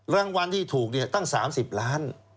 รางวัลที่ถูกตั้ง๓๐ล้าน